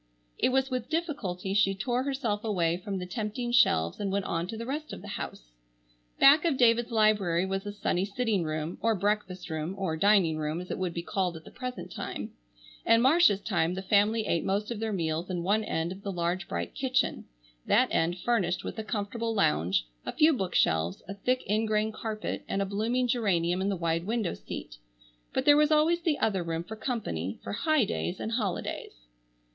It was with difficulty she tore herself away from the tempting shelves and went on to the rest of the house. Back of David's library was a sunny sitting room, or breakfast room,—or "dining room" as it would be called at the present time. In Marcia's time the family ate most of their meals in one end of the large bright kitchen, that end furnished with a comfortable lounge, a few bookshelves, a thick ingrain carpet, and a blooming geranium in the wide window seat. But there was always the other room for company, for "high days and holidays."